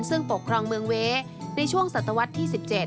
ซึ่งปกครองเมืองเว้ในช่วงศตวรรษที่๑๗